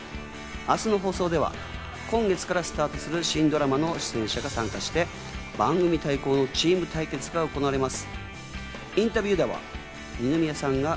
明日の放送では、今月からスタートする新ドラマの出演者が参加して番組対抗のチーム対決が行われます。